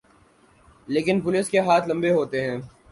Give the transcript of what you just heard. لیکن پولیس کے ہاتھ لمبے ہوتے ہیں۔